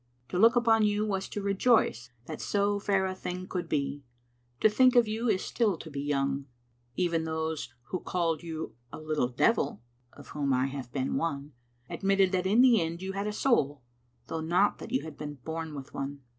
To look upon you was to rejoice that so fair a thing could be ; to think of you is still to be young. .Even those who called you a little devil, of Digitized by VjOOQ IC whom I have been one, admitted that in the end yott had a soul, though not that you had been bom with one.